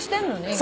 今。